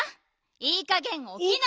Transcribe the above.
いいかげんおきないと。